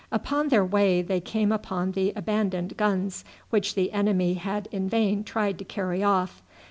Upon their way they came upon the abandoned guns, which the enemy had in vain tried to carry off.